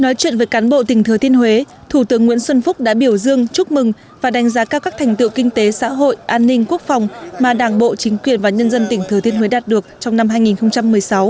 nói chuyện với cán bộ tỉnh thừa thiên huế thủ tướng nguyễn xuân phúc đã biểu dương chúc mừng và đánh giá cao các thành tựu kinh tế xã hội an ninh quốc phòng mà đảng bộ chính quyền và nhân dân tỉnh thừa thiên huế đạt được trong năm hai nghìn một mươi sáu